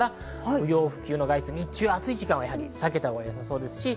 不要不急の外出、日中の暑い時間は避けたほうがよさそうです。